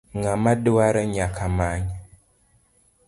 Ng'ama dwaro nyaka many.